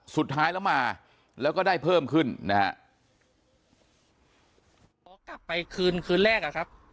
สุดท้ายแล้วมาแล้วก็ได้เพิ่มขึ้นนะฮะพอกลับไปคืนคืนแรกอ่ะครับ